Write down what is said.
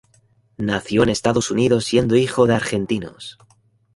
Nació en Estados Unidos siendo hijo de argentinos.